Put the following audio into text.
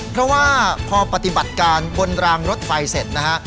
เพราะว่าพอปฏิบัติการบนรางรถไฟเสร็จนะฮะ